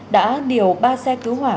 đã điều ba xe cứu hỏa